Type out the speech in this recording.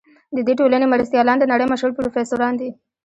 د دې ټولنې مرستیالان د نړۍ مشهور پروفیسوران دي.